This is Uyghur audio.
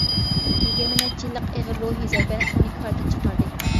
يىگىرمە نەچچە يىللىق ئېغىر روھى زەربە ئۇنى كاردىن چىقاردى.